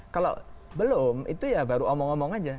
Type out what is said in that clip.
kalau belum itu ya baru omong omong aja